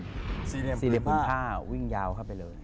ซีเรียมพื้นผ้าซีเรียมพื้นผ้าวิ่งยาวเข้าไปเลย